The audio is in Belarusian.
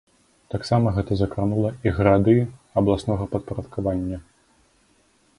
Таксама гэта закранула і гарады абласнога падпарадкавання.